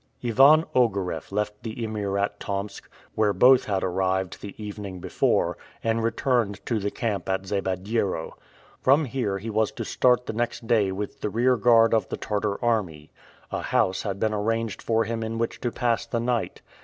Ivan Ogareff left the Emir at Tomsk, where both had arrived the evening before, and returned to the camp at Zabediero. From here he was to start the next day with the rear guard of the Tartar army. A house had been arranged for him in which to pass the night.